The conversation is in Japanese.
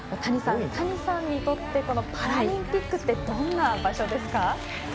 谷さんにとってパラリンピックってどんな場所ですか。